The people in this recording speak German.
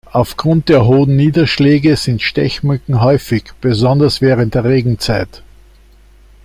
Aufgrund der hohen Niederschläge sind Stechmücken häufig, besonders während der Regenzeit.